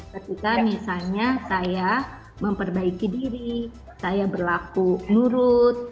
ketika misalnya saya memperbaiki diri saya berlaku nurut